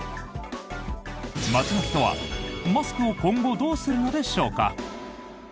街の人はマスクを今後どうするのでしょうか？